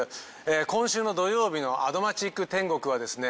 今週の土曜日の「アド街ック天国」はですね